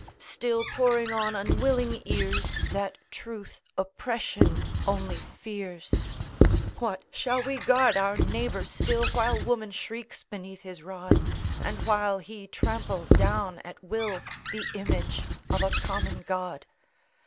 Still pouring on unwilling ears That truth oppression only fears. What! shall we guard our neighbor still, While woman shrieks beneath his rod, And while he trampels down at will The image of a common God?